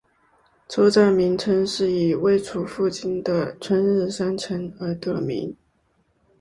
车站名称是以位处附近的春日山城而得名。